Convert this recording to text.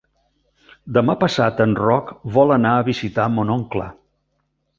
Demà passat en Roc vol anar a visitar mon oncle.